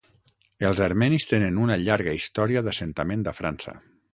Els armenis tenen una llarga història d'assentament a França.